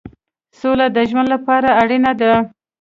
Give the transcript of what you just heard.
سوله د ژوند لپاره اړینه ده.